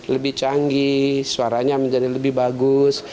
lebih canggih suaranya menjadi lebih bagus